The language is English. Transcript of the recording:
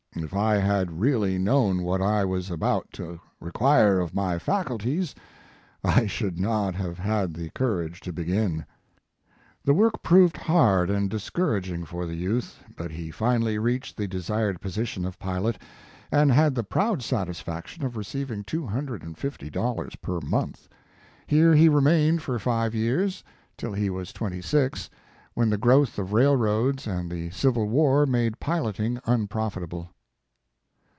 If I had really known what I was about to require of my faculties, I should not have had the courage to begin. " "The work proved hard and discourag ing for the youth, but he finally reached the desired position of pilot; and had ttve proud satisfaction of receiving two bun His Life and Work. clred and fifty dollars per month. Here he remained for five years, till he was twenty six, when the growth of railroads and the Civil War made piloting un profitable.